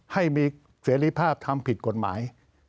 ให้มีเสรีภาพทำผิดกฎหมาย